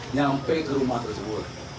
nyampe ke rumah tersebut